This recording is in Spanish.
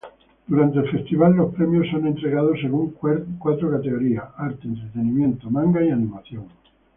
Durante el festival, los premios son entregados según cuatro categorías: Arte, entretenimiento, manga, animación.